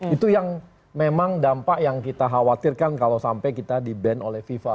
itu yang memang dampak yang kita khawatirkan kalau sampai kita di ban oleh fifa